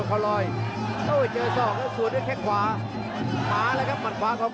กล้องชิงดาวน์ก็พยายามจะใช้เหยียบมาแล้วครับ